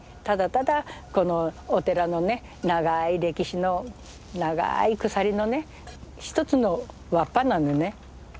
ただただこのお寺のね長い歴史の長い鎖のね一つの輪っぱなのね。